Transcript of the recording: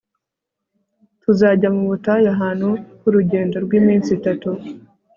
tuzajya mu butayu ahantu h urugendo rw iminsi itatu